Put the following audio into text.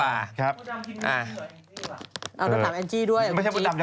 โอเคโอเค